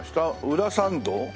裏参道？